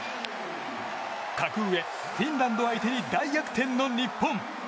格上フィンランド相手に大逆転の日本。